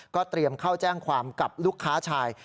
เตรียมเข้าแจ้งความกับลูกค้าชาย